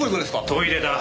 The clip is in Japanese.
トイレだ。